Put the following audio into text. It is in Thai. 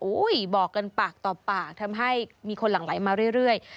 บอกกันปากต่อปากทำให้มีคนหลั่งไหลมาเรื่อย